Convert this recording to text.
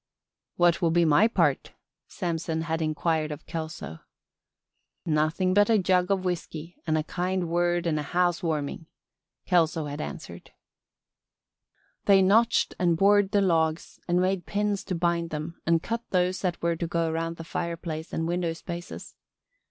"What will be my part?" Samson had inquired of Kelso. "Nothing but a jug of whisky and a kind word and a house warming," Kelso had answered. They notched and bored the logs and made pins to bind them and cut those that were to go around the fireplace and window spaces.